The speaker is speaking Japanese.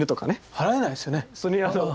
払えないですよね。